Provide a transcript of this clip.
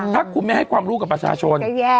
ถ้าคุณไม่ให้ความรู้กับประชาชน